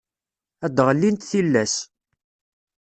Ad d-ɣellint tillas.